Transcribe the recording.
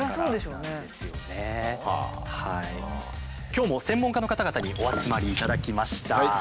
今日も専門家の方々にお集まりいただきました。